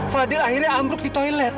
fadil akhirnya ambruk di toilet